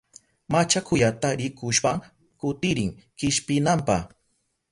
Machakuyata rikushpa kutirin kishpinanpa.